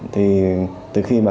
thì từ khi mà